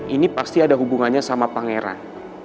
ini pasti ada hubungannya sama pangeran